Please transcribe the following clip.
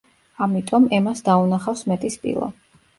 ამიტომ, ემას დაუნახავს მეტი სპილო.